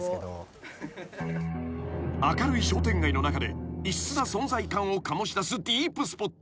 ［明るい商店街の中で異質な存在感を醸し出すディープスポット］